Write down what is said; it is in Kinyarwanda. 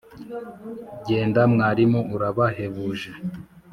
Jyenda Mwarimu urabahebuje!